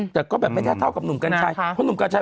แต่ก็แบบไม่ได้เท่ากับหนุ่มกรรชัย